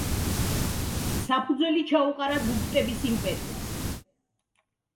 საფუძველი ჩაუყარა გუპტების იმპერიას.